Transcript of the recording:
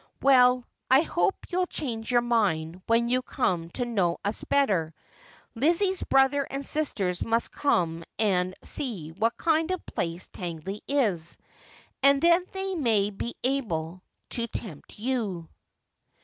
' Well, I hope you'll change your mind when you come to know us better. Lizzie's brother and sisters must come and see what kind of place Tangley is, and then they may be able to tempt you.'